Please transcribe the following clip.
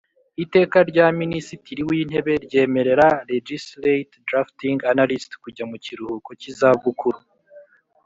Iteka rya Minisitiri w Intebe ryemerera Legislat e Drafting Analyst kujya mu kiruhuko cy izabukuru